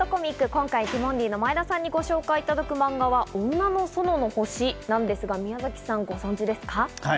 今回ティモンディの前田さんにご紹介いただくマンガは、『女の園の星』なんですが、宮崎さんは読んでますか？